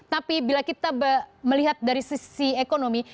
tapi bila kita melihat dari sisi ekonomi